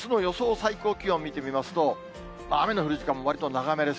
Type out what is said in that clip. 最高気温を見てみますと、雨の降る時間もわりと長めです。